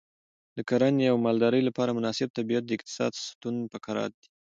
د کرنې او مالدارۍ لپاره مناسب طبیعت د اقتصاد ستون فقرات دی.